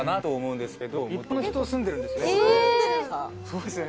そうですよね